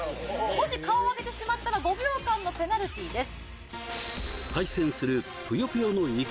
もし顔を上げてしまったら５秒間のペナルティです